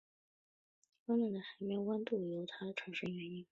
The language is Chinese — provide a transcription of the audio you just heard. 温暖的海面温度是已知的一类热带气旋生成原因。